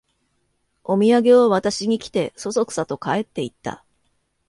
おみやげを渡しに来て、そそくさと帰っていった